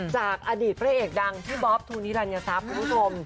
จากอดีตผู้เล่นตัวเอกดังพี่บ๊อบทูนิรันยศัพท์คุณผู้ชม